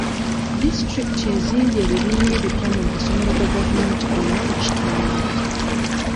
Disitulikiti ezimbye abibiina ebipya mu masomero ga gavumenti gonna mu kitundu.